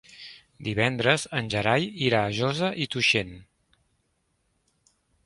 Divendres en Gerai irà a Josa i Tuixén.